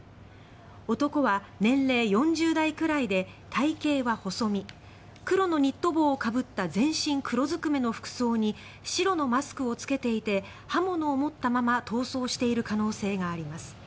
男は年齢４０代くらいで体形は細身黒のニット帽をかぶった全身黒ずくめの服装に白のマスクを着けていて刃物を持ったまま逃走している可能性があります。